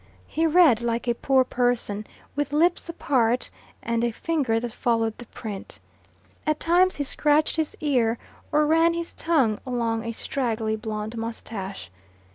He read like a poor person, with lips apart and a finger that followed the print. At times he scratched his ear, or ran his tongue along a straggling blonde moustache.